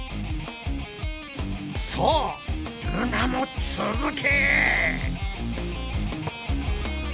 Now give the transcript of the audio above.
さあルナも続け！